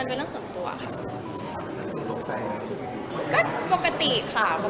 ชะมัดนึกตกใจยังไงที่มีใบบอก